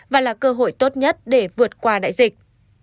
và là cơ hội tốt nhất để vượt qua đại dịch